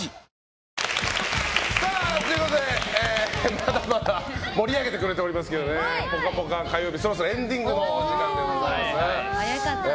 まだまだ盛り上げてくれておりますけど「ぽかぽか」火曜日、そろそろエンディングのお時間です。